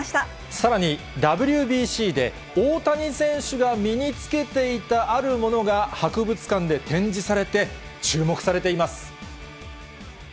さらに、ＷＢＣで大谷選手が身に着けていたあるものが、博物館で展示されて、注目されています。